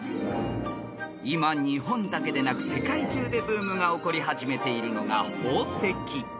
［今日本だけでなく世界中でブームが起こり始めているのが宝石］